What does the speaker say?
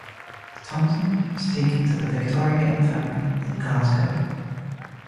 Thomson was taken to the Victoria Infirmary in Glasgow.